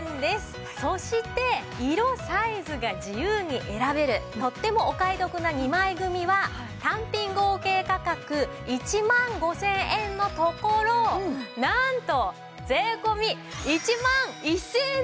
そして色・サイズが自由に選べるとってもお買い得な２枚組は単品合計価格１万５０００円のところなんと税込１万１０００円です。